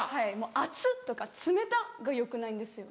熱っ！とか冷たっ！がよくないんですよ。